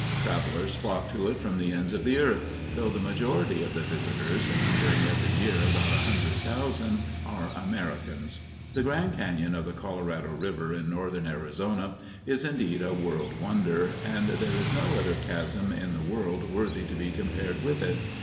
Travelers flock to it from the ends of the earth, though the majority of the visitors, numbering every year about a hundred thousand, are Americans. The Grand Cañon of the Colorado River, in northern Arizona, is indeed a world wonder, and there is no other chasm in the world worthy to be compared with it.